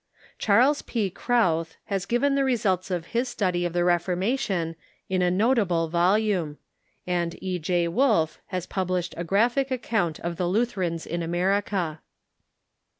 Charles P. Krauth lias given the results of his study of the Reformation in a nota ble volume, and E. J. Wolf has published a graphic account of the Lutherans in America.